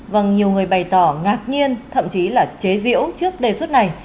vâng nhiều người bày tỏ ngạc nhiên thậm chí là chế diễu trước đề xuất này